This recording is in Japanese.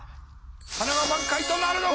花は満開となるのか？